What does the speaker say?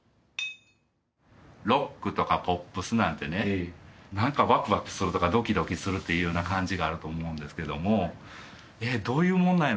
ロックとかポップスなんてね何かわくわくするとかドキドキするっていうような感じがあると思うんですけども「えっどういうもんなんやろ？」